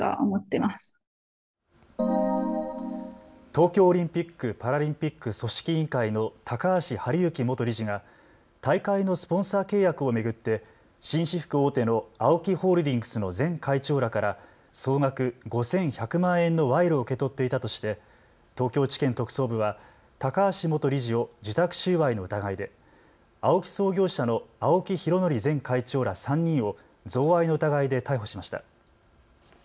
東京オリンピック・パラリンピック組織委員会の高橋治之元理事が大会のスポンサー契約を巡って紳士服大手のＡＯＫＩホールディングスの前会長らから総額５１００万円の賄賂を受け取っていたとして東京地検特捜部は高橋元理事を受託収賄の疑いでＡＯＫＩ創業者の青木拡憲前会長ら３人を贈賄の疑いで逮捕しました。